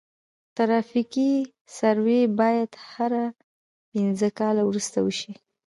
ترافیکي سروې باید هر پنځه کاله وروسته وشي